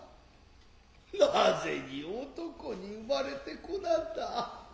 なぜに男に生れて来なんだ。